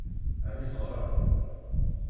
Ɛni teɣṛam?